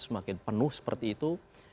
semakin penuh seperti itu